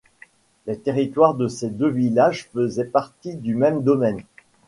Les territoires de ces deux villages faisaient partie du même domaine.